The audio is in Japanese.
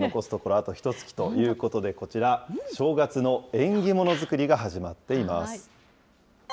あとひとつきということでこちら、正月の縁起物作りが始まっています。